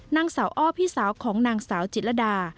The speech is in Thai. นางสาวอ้อพี่สาวของนางสาวจิตรดา